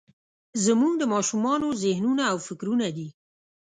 زموږ د ماشومانو ذهنونه او فکرونه دي.